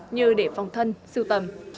như để phòng thân siêu tầm